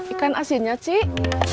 ikan asinnya cik